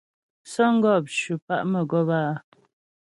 Sə̌ŋgɔp ncʉ pa' mə́gɔp áa.